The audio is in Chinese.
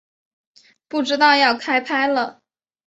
不知道要开拍了